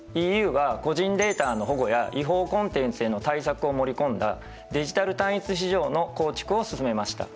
ＥＵが個人データの保護や違法コンテンツへの対策を盛り込んだデジタル単一市場の構築を進めました。